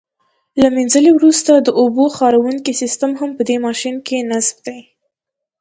له منځلو وروسته د اوبو خاروونکی سیسټم هم په دې ماشین کې نصب دی.